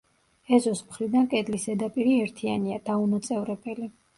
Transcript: ეზოს მხრიდან კედლის ზედაპირი ერთიანია, დაუნაწევრებელი.